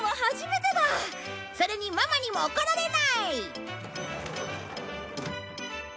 それにママにも怒られない！